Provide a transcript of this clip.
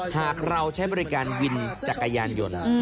หากเราใช้บริการวินจักรยานยนต์